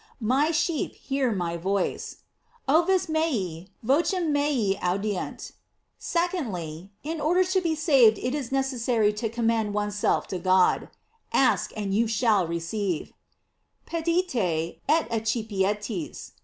My sheep hear my voice: "Oves mese vocem meam audiunt." § Secondly, In or der to be saved it is necessary to commend one's self to God: Ask, and you shall receive: "Petite, et accipietis."